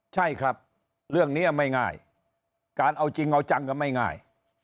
ใช่ครับเรื่องนี้ไม่ง่ายการเอาจริงเอาจังก็ไม่ง่าย